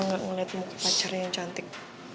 gak ngeliat muka pacarnya yang cantik